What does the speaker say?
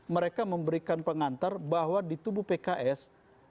mereka memberikan pengantar bahwa di tubuh pks